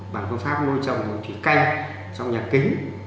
bằng phương pháp nuôi trồng rau thủy canh trong nhà kín